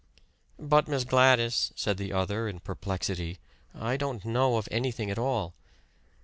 "But, Miss Gladys," said the other in perplexity, "I don't know of anything at all!"